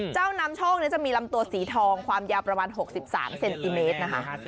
น้ำโชคจะมีลำตัวสีทองความยาวประมาณ๖๓เซนติเมตรนะคะ